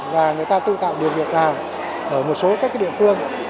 và người ta tự tạo điều việc làm ở một số các địa phương